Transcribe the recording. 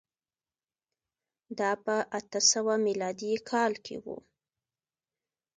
دا په اته سوه میلادي کال کي و.